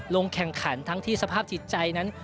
ลงแข่งขันทั้งที่สภาพจิตใจนั้น